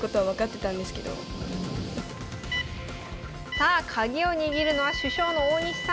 さあ鍵を握るのは主将の大西さん。